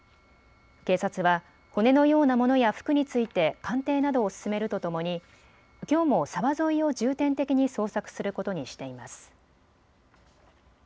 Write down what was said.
警察は骨のようなものや服について鑑定などを進めるとともにきょうも沢沿いを重点的に捜索することにしています。